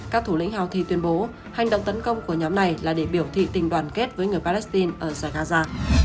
các thủ lĩnh hào thi tuyên bố hành động tấn công của nhóm này là để biểu thị tình đoàn kết với người palestine ở dài gaza